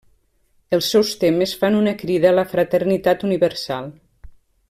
Els seus temes fan una crida a la fraternitat universal.